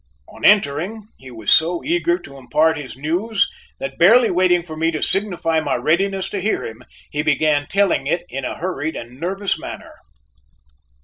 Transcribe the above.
On entering he was so eager to impart his news that barely waiting for me to signify my readiness to hear him, he began telling it in a hurried and nervous manner.